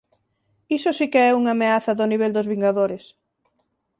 Iso si que é unha ameaza do nivel dos Vingadores.